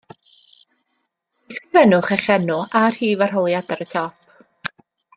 Ysgrifennwch eich enw a rhif arholiad ar y top